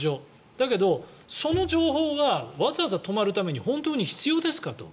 だけど、その情報はわざわざ泊まるために本当に必要ですか？と。